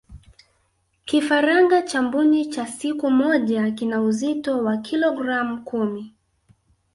kifaranga cha mbuni cha siku moja kina uzito wa kilogramu kumi